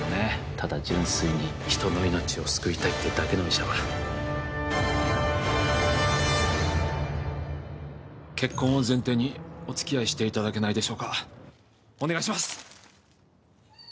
ただ純粋に人の命を救いたいってだけの医者は結婚を前提におつきあいしていただけないでしょうかお願いします！